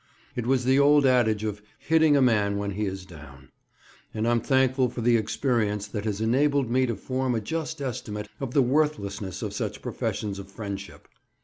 It was the old adage of "hitting a man when he is down;" and I'm thankful for the experience that has enabled me to form a just estimate of the worthlessness of such professions of friendship.